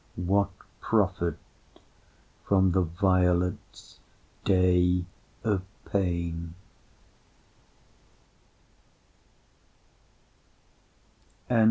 What profit from the violet's day of pain?